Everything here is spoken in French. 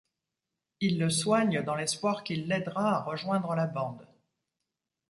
Il le soigne dans l'espoir qu'il l'aidera à rejoindre la bande.